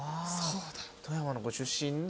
富山のご出身で。